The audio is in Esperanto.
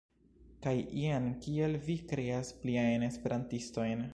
Kaj jen kiel vi kreas pliajn esperantistojn.